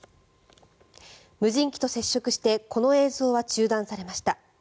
無人機と接触してこの映像は中断されました。